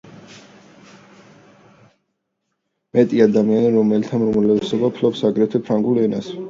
მეტი ადამიანი, რომელთა უმრავლესობა ფლობს აგრეთვე ფრანგულ ენას.